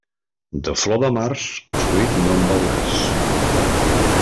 De flor de març, fruit no en veuràs.